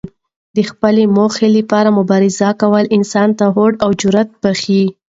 د خپلو موخو لپاره مبارزه کول انسان ته هوډ او جرات بښي.